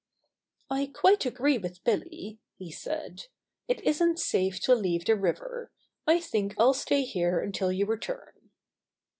"I quite agree with Billy," he said. "It isn't safe to leave the river. I think I'll stay here until ycu return."